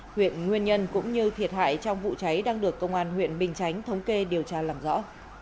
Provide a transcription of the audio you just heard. huyện nguyên nhân cũng như thiệt hại trong vụ cháy đang được công an huyện bình chánh thống kê điều tra làm rõ